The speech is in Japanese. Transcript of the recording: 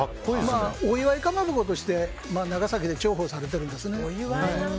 お祝いかまぼことして長崎で重宝されているんですよね。